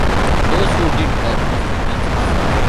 Those who did were mostly teachers.